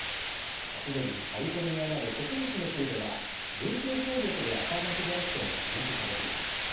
すでにカリフォルニアなど９つの州では人種を考慮するアファーマティブ・アクションが禁止されています。